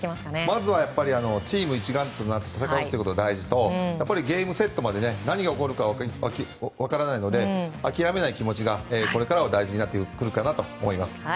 まずはチーム一丸となって戦うということが大事なのとゲームセットまで何が起こるか分からないので諦めない気持ちがこれからは大事になってくるかなと。